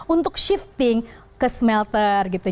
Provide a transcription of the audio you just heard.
untuk shifting ke smelter gitu